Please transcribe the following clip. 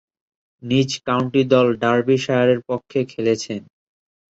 নিজ কাউন্টি দল ডার্বিশায়ারের পক্ষে খেলেছেন।